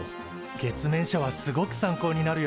月面車はすごく参考になるよ。